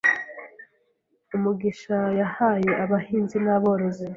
Umugisha yahaye abahinzi n’aborozi